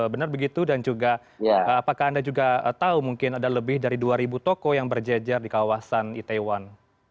benar begitu dan juga apakah anda juga tahu mungkin ada lebih dari dua ribu toko yang berjejer di kawasan itaewon